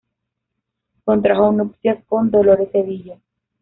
Contrajo nupcias con Dolores Cedillo.